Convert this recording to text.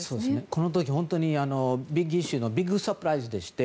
この時「ビッグ・イシュー」のビッグサプライズでして。